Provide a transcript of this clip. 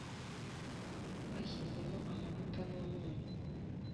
Bashyizemo amavuta n’umunyu